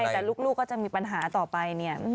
แต่ลูกก็จะมีปัญหาต่อไปเนี่ย